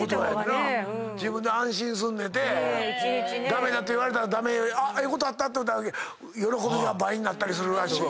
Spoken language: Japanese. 「駄目だ」と言われたらええことあったって思ったとき喜びが倍になったりするらしい。